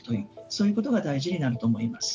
そういうことが大事になると思います。